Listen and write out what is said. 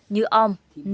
như ở nhà rường của ông